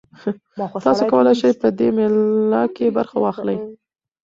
تاسي کولای شئ په دې مېله کې برخه واخلئ.